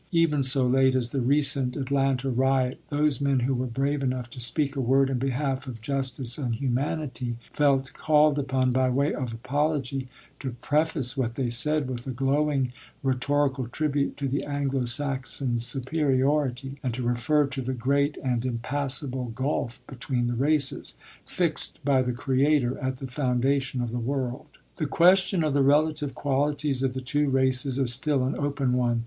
Even so late as the recent Atlanta riot those men who were brave enough to speak a word in behalf of justice and humanity felt called upon, by way of apology, to preface what they said with a glowing rhetorical tribute to the Anglo Saxon's superiority and to refer to the "great and impassable gulf" between the races "fixed by the Creator at the foundation of the world." The question of the relative qualities of the two races is still an open one.